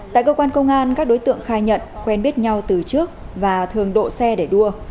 tại cơ quan công an các đối tượng khai nhận quen biết nhau từ trước và thường độ xe để đua